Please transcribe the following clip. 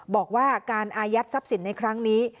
บอกว่าการอายัดทรัพย์สินในครั้งนี้